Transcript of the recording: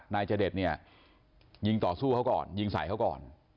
นายเจดเนี่ยยิงต่อสู้เขาก่อนยิงใส่เขาก่อน